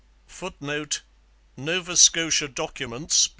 [Footnote: Nova Scotia Documents, p.